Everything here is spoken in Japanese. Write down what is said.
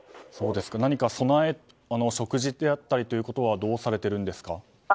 何か備え食事であったりとかはどうされているんですか？